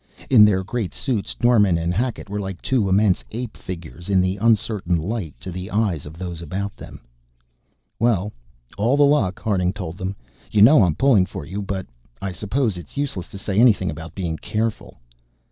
In their great suits Norman and Hackett were like two immense ape figures in the uncertain light, to the eyes of those about them. "Well, all the luck," Harding told them. "You know I'm pulling for you, but I suppose it's useless to say anything about being careful."